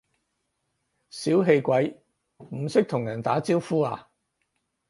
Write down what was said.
小氣鬼，唔識同人打招呼呀？